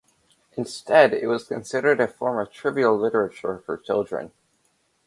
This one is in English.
Instead, it was considered a form of trivial literature for children.